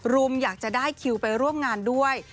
มอยากจะได้คิวไปร่วมงานด้วย